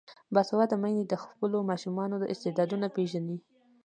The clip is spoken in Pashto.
باسواده میندې د خپلو ماشومانو استعدادونه پیژني.